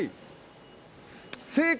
正解！